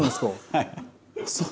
はい。